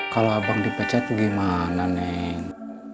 kalo abang di pecah tuh gimana neng